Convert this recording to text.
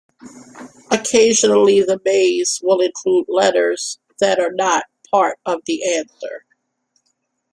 Occasionally the maze will include letters that are not part of the answer.